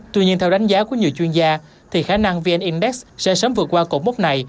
tuy nhiên theo đánh giá của nhiều chuyên gia thì khả năng vn index sẽ sớm vượt qua cột mốc này